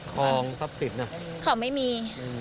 คลองทรัพย์สิทธิ์น่ะเขาไม่มี